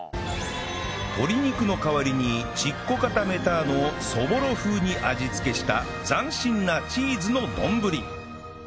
鶏肉の代わりにチッコカタメターノをそぼろ風に味付けした斬新なチーズの丼